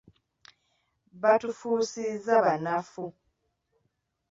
Baatufuzisa bannaffe.